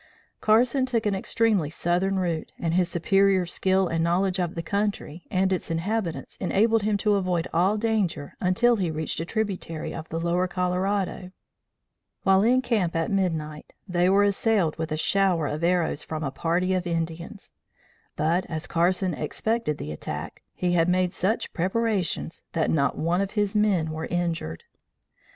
Carson took an extremely southern route, and his superior skill and knowledge of the country and its inhabitants enabled him to avoid all danger until he reached a tributary of the lower Colorado. While in camp at midnight, they were assailed with a shower of arrows from a party of Indians; but, as Carson expected the attack, he had made such preparations that not one of his men were injured.